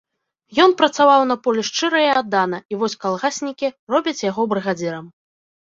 Ён працаваў на полі шчыра і аддана, і вось калгаснікі робяць яго брыгадзірам.